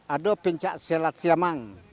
ada pencak silat siamang